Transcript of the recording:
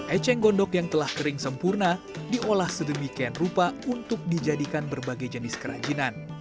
eceng gondok yang telah kering sempurna diolah sedemikian rupa untuk dijadikan berbagai jenis kerajinan